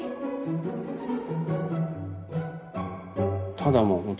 ただもう本当